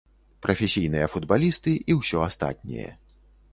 Прафесійныя футбалісты і ўсё астатняе.